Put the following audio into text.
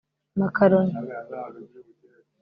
makaroni